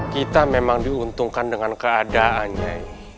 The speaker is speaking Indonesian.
kita memang diuntungkan dengan keadaannya